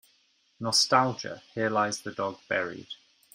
Nostalgia Here lies the dog buried.